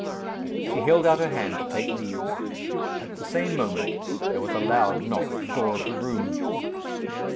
She held out her hand to take leave. At the same moment there was a loud knock at the door of the room.